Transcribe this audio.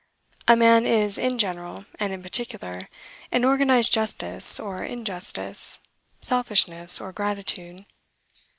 A man is in general, and in particular, an organizd justice or injustice, selfishness or gratitude.